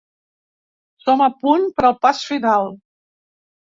Som a punt per al pas final.